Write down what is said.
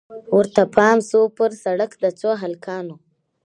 ورته پام سو پر سړک د څو هلکانو